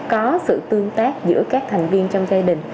có sự tương tác giữa các thành viên trong gia đình